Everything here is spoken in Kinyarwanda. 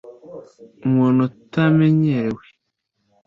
umuntu utamenyerewe